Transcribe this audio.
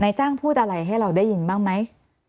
จ้างพูดอะไรให้เราได้ยินบ้างไหม